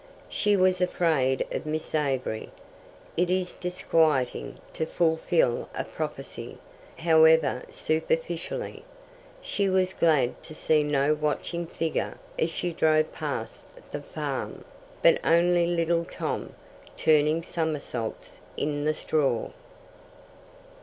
She was afraid of Miss Avery. It is disquieting to fulfil a prophecy, however superficially. She was glad to see no watching figure as she drove past the farm, but only little Tom, turning somersaults in the straw.